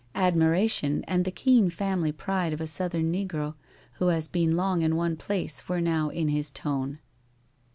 Admiration and the keen family pride of a Southern negro who has been long in one place were now in his tone.